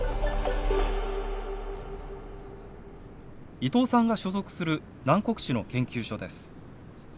伊藤さんが所属する南国市の研究所です。